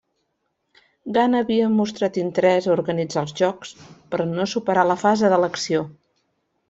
Ghana havia mostrat interès a organitzar els Jocs però no superà la fase d'elecció.